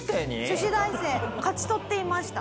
女子大生勝ち取っていました。